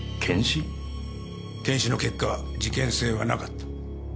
検視の結果事件性はなかった。